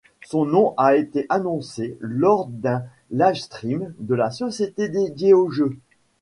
Son nom a été annoncé lors d'un livestream de la société dédiée au jeu.